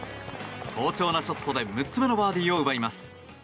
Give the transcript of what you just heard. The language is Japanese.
好調なショットで６つ目のバーディーを奪います。